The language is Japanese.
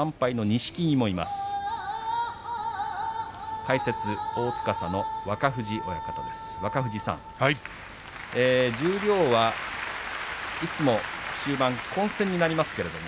解説の若藤さん、十両いつも混戦になります。